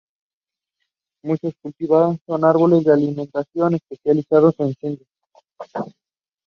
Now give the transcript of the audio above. Muchos son cultivados como árboles de alineación, especialmente en Sídney.